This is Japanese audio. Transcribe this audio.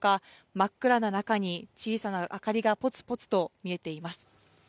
真っ暗な中に小さな明かりがぽつぽつと見えています。